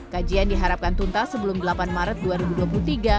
kajian diharapkan tuntas sebelum delapan maret dua ribu dua puluh tiga